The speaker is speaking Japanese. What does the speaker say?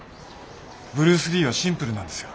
ブルース・リーはシンプルなんですよ。